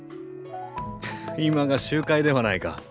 今が集会ではないか。